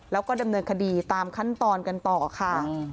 แล้วก็ดำเนินคดีตามขั้นตอนกันต่อค่ะ